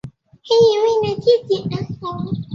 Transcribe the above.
转向架并安装有轮缘润滑装置和踏面清扫装置。